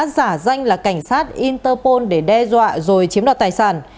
giả danh là cảnh sát interpol để đe dọa rồi chiếm đoạt tài sản